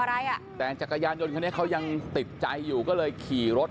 อะไรอ่ะแต่จักรยานยนต์คนนี้เขายังติดใจอยู่ก็เลยขี่รถ